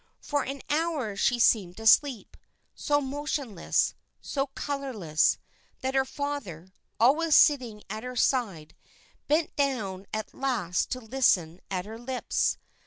For an hour she seemed to sleep, so motionless, so colorless, that her father, always sitting at her side, bent down at last to listen at her lips.